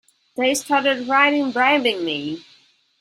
They started right in bribing me!